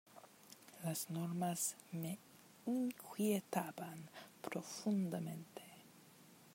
Las normas me inquietaban profundamente.